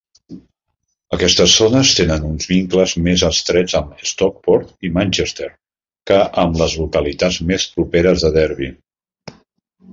Aquestes zones tenen uns vincles més estrets amb Stockport i Manchester que amb les localitats més properes a Derby.